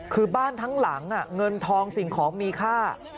คือบ้านทั้งหลังเงินทองสิ่งของมีค่า